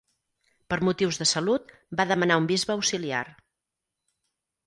Per motius de salut, va demanar un bisbe auxiliar.